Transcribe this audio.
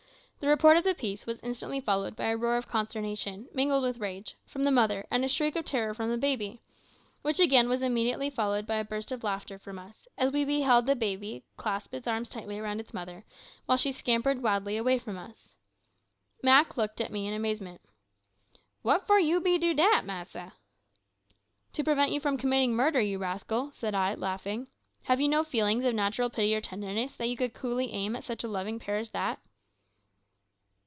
The report of the piece was instantly followed by a roar of consternation, mingled with rage, from the mother, and a shriek of terror from the baby, which again was immediately followed by a burst of laughter from us, as we beheld the little baby clasp its arms tightly round its mother, while she scampered wildly away from us. Mak looked at me in amazement. "What for you be do dat, massa?" "To prevent you from committing murder, you rascal," said I, laughing. "Have you no feelings of natural pity or tenderness, that you could coolly aim at such a loving pair as that?"